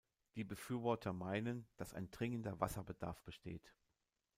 Die Befürworter meinen, dass ein dringender Wasserbedarf besteht.